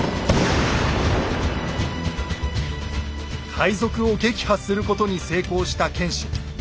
海賊を撃破することに成功した謙信。